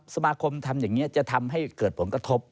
สมาคมทำอย่างนี้จะทำให้เกิดผลกระทบ